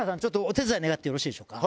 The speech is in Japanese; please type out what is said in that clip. お手伝い願ってよろしいでしょうか？